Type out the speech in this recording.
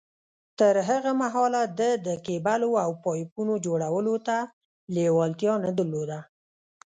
تر هغه مهاله ده د کېبلو او پايپونو جوړولو ته لېوالتيا نه درلوده.